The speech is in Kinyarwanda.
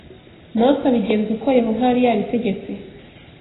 Mose abigenza uko Yehova yari yabitegetse